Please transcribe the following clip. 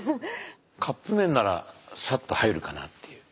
カップ麺ならサッと入るかなっていう。